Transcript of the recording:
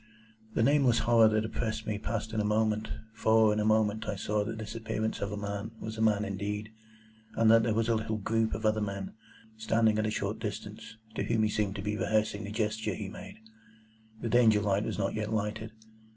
The nameless horror that oppressed me passed in a moment, for in a moment I saw that this appearance of a man was a man indeed, and that there was a little group of other men, standing at a short distance, to whom he seemed to be rehearsing the gesture he made. The Danger light was not yet lighted.